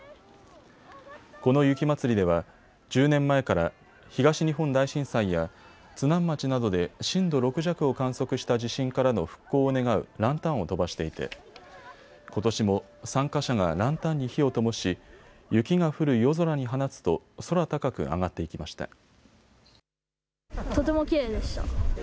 この雪まつりでは１０年前から東日本大震災や津南町などで震度６弱を観測した地震からの復興を願うランタンを飛ばしていてことしも参加者がランタンに火をともし雪が降る夜空に放つと空高く上がっていきました。